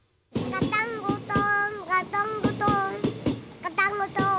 ガタンゴトンガタンゴトン。